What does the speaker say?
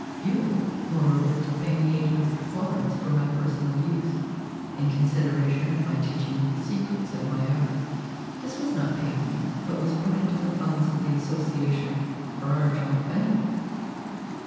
You were, moreover, to pay me eight hundred florins for my personal use, in consideration of my teaching you the secrets of my art. This was not paid me, but was put into the funds of the association for our joint benefit."